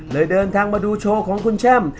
เดินทางมาดูโชว์ของคุณแช่ม